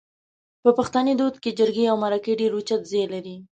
په پښتني دود کې جرګې او مرکې ډېر اوچت ځای لري